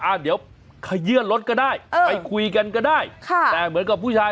อ่ะเดี๋ยวขยื่นรถก็ได้ไปคุยกันก็ได้ค่ะแต่เหมือนกับผู้ชาย